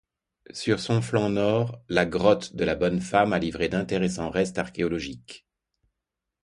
Sur son flanc nord, la grotte de la Bonne-Femme a livré d'intéressants restes archéologiques.